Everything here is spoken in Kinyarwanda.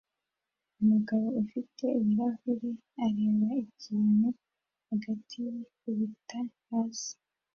Umugabo ufite ibirahure areba ikintu hagati yikubita hasi